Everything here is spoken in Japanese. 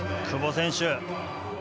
久保選手。